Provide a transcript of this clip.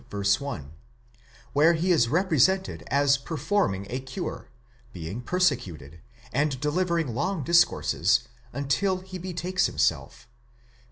1), where he is represented as performing a cure, being persecuted, and delivering long discourses, until he betakes himself (vi.